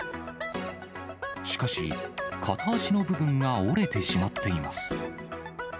しかし、片足の部分が折れてしまっています。